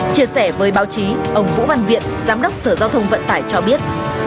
chia sẻ với báo chí ông vũ văn viện giám đốc sở giao thông vận tải cho biết